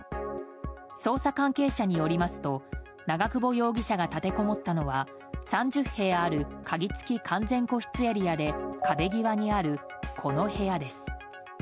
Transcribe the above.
捜査関係者によりますと長久保容疑者が立てこもったのは３０部屋ある鍵付き完全個室エリアで壁際にある、この部屋です。